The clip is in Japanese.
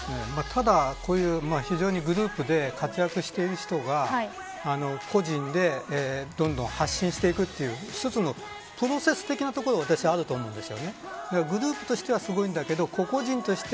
ただ、こういう非常にグループで活躍している人が個人でどんどん発信していくという一つのプロセス的なところがあると思うんです。